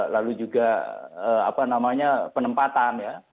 lalu juga penempatan ya